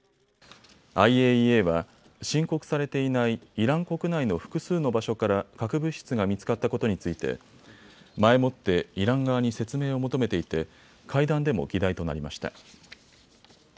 ＩＡＥＡは申告されていないイラン国内の複数の場所から核物質が見つかったことについて前もってイラン側に説明を求めていて会談でも議題となりました。